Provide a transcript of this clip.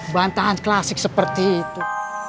bantahan klasik seperti itu